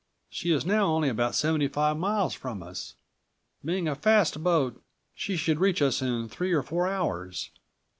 She is now only about seventy five miles from us. Being a fast boat, she should reach us in three or four hours.